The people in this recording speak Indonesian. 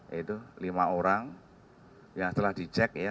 yaitu lima orang yang telah dicek ya